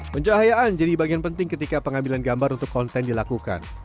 pencahayaan jadi bagian penting ketika pengambilan gambar untuk konten dilakukan